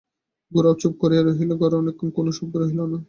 গোরাও চুপ করিয়া রহিল, ঘরে অনেকক্ষণ কোনো শব্দই রহিল না।